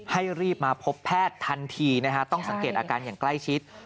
รีบมาพบแพทย์ทันทีนะฮะต้องสังเกตอาการอย่างใกล้ชิด